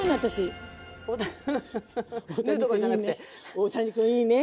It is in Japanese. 大谷くんいいね。